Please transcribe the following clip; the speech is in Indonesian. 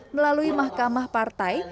melalui mahkamah partai